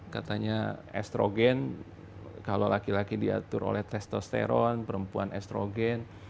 katanya estrogen kalau laki laki diatur oleh testosteron perempuan estrogen